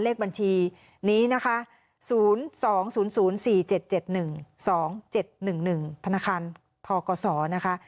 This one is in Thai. เลขบัญชีนี้นะคะ๐๒๐๐๔๗๗๑๒๗๑๑ธนาคารทกศนะคะ